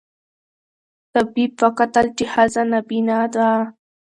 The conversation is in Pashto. طبیب وکتل چي ښځه نابینا ده